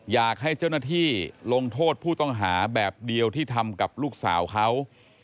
อยากให้เจ้าหน้าที่ลงโทษผู้ต้องหาแบบเดียวที่ทำกับลูกสาวเขา